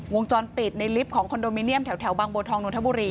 วงจรปิดในลิฟต์ของคอนโดมิเนียมแถวบางบัวทองนนทบุรี